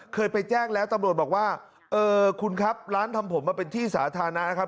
เคยไปแจ้งแล้วตำรวจบอกว่าเออคุณครับร้านทำผมมันเป็นที่สาธารณะนะครับ